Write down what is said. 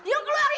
iu keluar iu